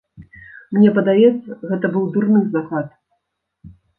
Мне падаецца, гэта быў дурны загад.